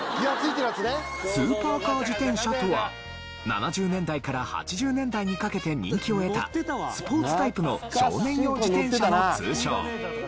スーパーカー自転車とは７０年代から８０年代にかけて人気を得たスポーツタイプの少年用自転車の通称。